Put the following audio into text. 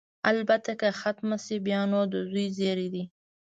البته که ختمه شي، بیا نو د زوی زېری دی.